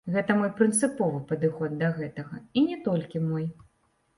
Гэта мой прынцыповы падыход да гэтага, і не толькі мой.